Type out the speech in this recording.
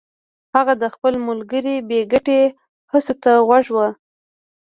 هغه د خپل ملګري بې ګټې هڅو ته غوږ و